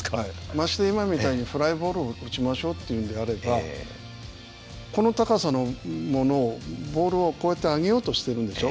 まして今みたいにフライボールを打ちましょうというんであればこの高さのものをボールをこうやって上げようとしてるんでしょ。